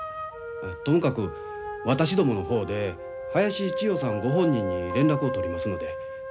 ともかく私どもの方で林千代さんご本人に連絡を取りますので。